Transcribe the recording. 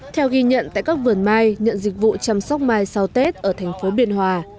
theo ghi nhận tại các vườn mai nhận dịch vụ chăm sóc mai sau tết ở thành phố biên hòa